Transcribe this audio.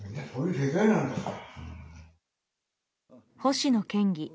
星野県議